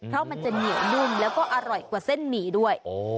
เพราะมันจะเหนียวนุ่มแล้วก็อร่อยกว่าเส้นหมี่ด้วย